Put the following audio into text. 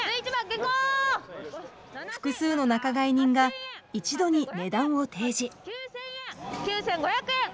複数の仲買人が一度に値段を提示。